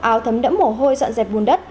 áo thấm đẫm mổ hôi dọn dẹp bùn đất